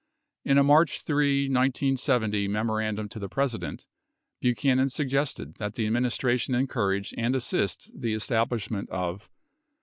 In a March 3, 1970, memorandum to the President, Buchanan suggested that the administration encourage and assist the establish ment of